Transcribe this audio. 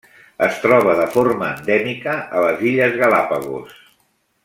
Es troba de forma endèmica a les Illes Galápagos.